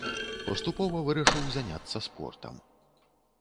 Паступова вырашыў заняцца спортам.